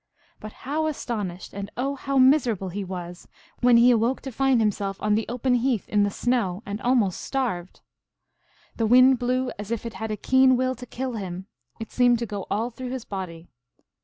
But how aston ished, and oh, how miserable he was, when he awoke, to find himself on the open heath in the snow and al most starved ! The wind blew as if it had a keen will to kill him ; it seemed to go all through his body.